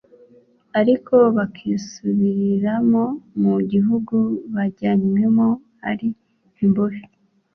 ariko bakisubiriramo mu gihugu bajyanywemo ari imbohe,